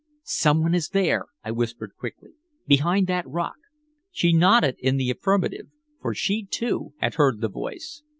"Someone is there," I whispered quickly. "Behind that rock." She nodded in the affirmative, for she, too, had heard the voice.